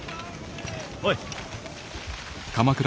おい。